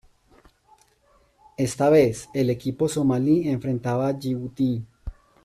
Esta vez, el equipo somalí enfrentaba a Yibuti.